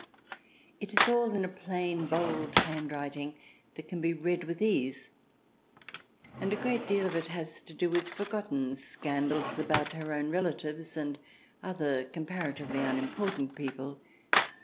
It is all in a plain bold handwriting that can be read with ease, and a great deal of it has to do with forgotten scandals, about her own relatives and other comparatively unimportant people.